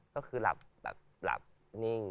ก็คือหลับแบบหลับนิ่ง